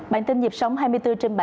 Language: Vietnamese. bản tin dịp sóng hai mươi bốn trên bảy